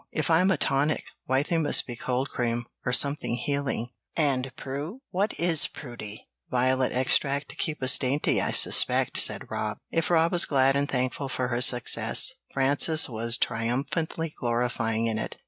"If I'm a tonic, Wythie must be cold cream, or something healing, and Prue what is Prudy? Violet extract to keep us dainty, I suspect," said Rob. If Rob was glad and thankful for her success, Frances was triumphantly glorying in it.